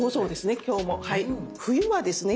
冬はですね